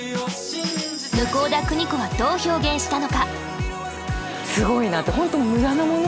向田邦子はどう表現したのか。